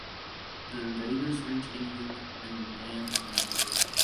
The invaders reach England, and land unopposed.